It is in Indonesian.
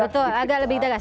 betul agak lebih tegas